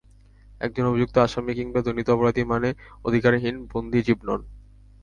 একজন অভিযুক্ত আসামি কিংবা দণ্ডিত অপরাধী মানে অধিকারহীন বন্দী জীব নন।